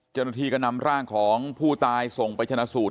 เจ้าหน้าที่ก็นำร่างของผู้ตายส่งไปชนะสูตร